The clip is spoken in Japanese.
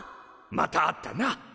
また会ったな。